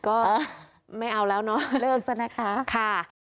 ก็ไม่เอาแล้วเนอะค่ะเลิกซะนะคะ